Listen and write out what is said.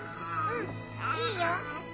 うんいいよ。